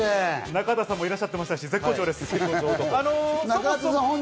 中畑さんもいらっしゃってますし、絶好調です。